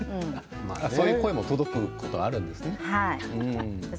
そういう声も届くことがあるんですね。